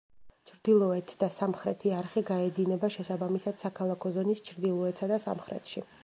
ჩრდილოეთ და სამხრეთი არხი გაედინება შესაბამისად, საქალაქო ზონის ჩრდილოეთსა და სამხრეთში.